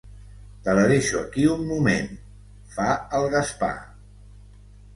Te la deixo aquí un moment —fa el Gaspar.